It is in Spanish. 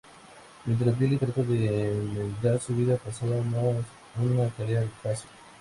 Mientras Billy trata de enmendar su vida pasada, no es una tarea fácil.